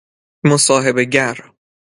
مصاحبه گر